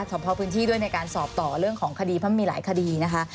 สอบพอพื้นที่ด้วยในการสอบต่อเรื่องของคดีเพราะมีหลายคดีนะคะ